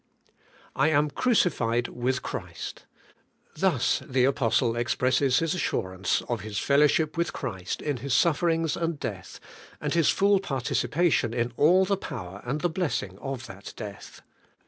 T AM crucified with Christ:' Thus the apostle ex J presses his assurance of his fellowship with Christ in His sufferings and death, and his full participa tion in all the power and the blessing of that death.